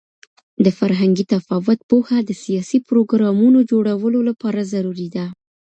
د فرهنګي تفاوت پوهه د سیاسي پروګرامونو جوړولو لپاره ضروري ده.